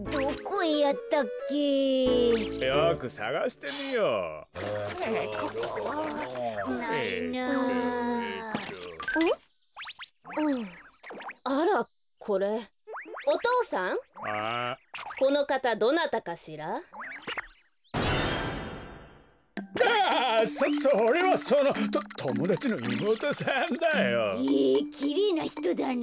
へえきれいなひとだね。